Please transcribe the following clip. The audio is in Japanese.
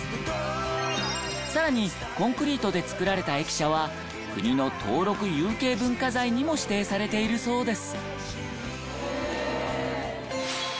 更にコンクリートで造られた駅舎は国の登録有形文化財にも指定されているそうです。